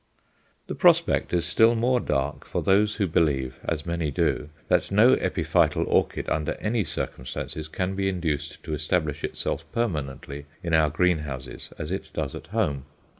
The prospect is still more dark for those who believe as many do that no epiphytal orchid under any circumstances can be induced to establish itself permanently in our greenhouses as it does at home.